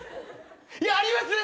いやありますね